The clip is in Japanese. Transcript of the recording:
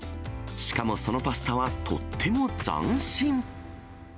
しかもそのパスタは、とっても斬新。